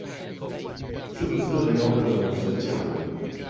是不是很有可能是假的